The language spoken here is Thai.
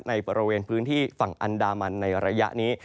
ในบริเวณพื้นที่ฝั่งอันดามันในระยะนี้